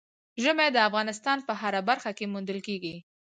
ژمی د افغانستان په هره برخه کې موندل کېږي.